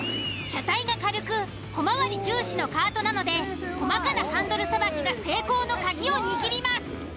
車体が軽く小回り重視のカートなので細かなハンドルさばきが成功の鍵を握ります。